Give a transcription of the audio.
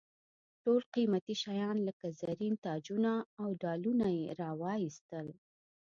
ټول قیمتي شیان لکه زرین تاجونه او ډالونه یې را واېستل.